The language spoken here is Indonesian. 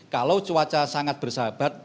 kalau cuaca sangat bersahabat